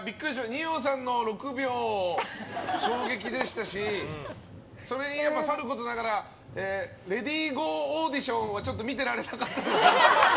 二葉さんの６秒衝撃でしたしそれにさることながらレディーゴーオーディションはちょっと見てられなかったです。